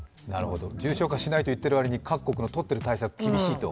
重症化しないといってる割に各国のとっている対策は厳しいと。